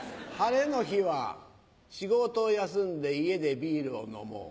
雨の日は仕事を休んで家でビールを飲もう。